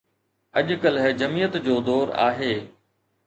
اڄ ڪلهه جمعيت جو دور آهي.